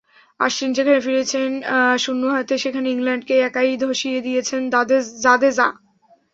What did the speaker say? অশ্বিন যেখানে ফিরেছেন শূন্য হাতে, সেখানে ইংল্যান্ডকে একাই ধসিয়ে দিয়েছেন জাদেজা।